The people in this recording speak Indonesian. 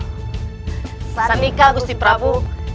samika gusit prabu